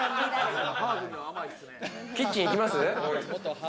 キッチン行きます。